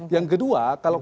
yang kedua kalau